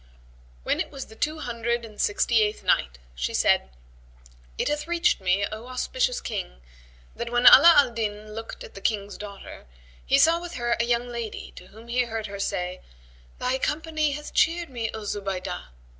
When it was the Two Hundred and Sixty eighth Night, She said, It hath reached me, O auspicious King, that when Ala al Din looked at the King's daughter, he saw with her a young lady to whom he heard her say, "Thy company hath cheered me, O Zubaydah."